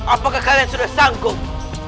apakah kalian sudah sanggup